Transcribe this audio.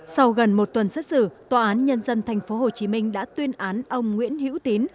sau gần một tuần xét xử tòa án nhân dân tp hcm đã tuyên án ông nguyễn hữu tín